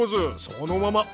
そのまま。